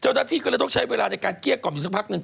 เจ้าหน้าที่ก็เลยต้องใช้เวลาในการเกลี้ยกล่อมอยู่สักพักหนึ่ง